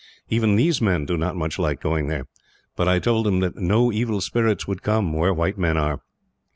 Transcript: Even these men do not much like going there; but I told them that no evil spirits would come, where white men were."